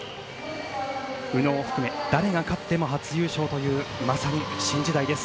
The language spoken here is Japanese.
宇野を含め誰が勝っても初優勝というまさに新時代です。